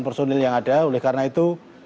personil yang ada oleh karena itu